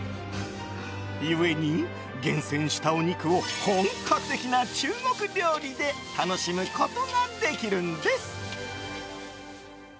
故に、厳選したお肉を本格的な中国料理で楽しむことができるんです！